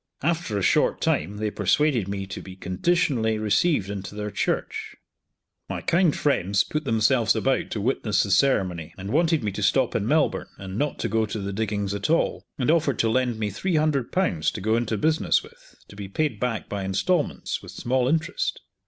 After a short time they persuaded me to be conditionally received into their Church. My kind friends put themselves about to witness the ceremony, and wanted me to stop in Melbourne, and not to go to the diggings at all, and offered to lend me Ł300 to go into business with, to be paid back by instalments with small interest.